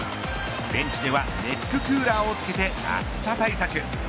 ベンチではネッククーラーをつけて暑さ対策。